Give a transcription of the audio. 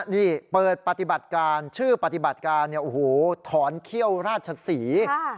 นี่เปิดปฏิบัติการชื่อปฏิบัติการถอนเขี้ยวราชศรี